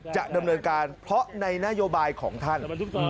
จะดำเนินการเพราะในนโยบายของท่าน